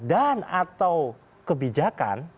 dan atau kebijakan